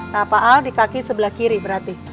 nah pak al di kaki sebelah kiri berarti